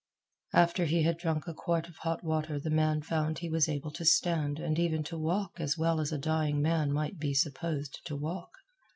After he had drunk a quart of hot water the man found he was able to stand, and even to walk as well as a dying man might be supposed to walk.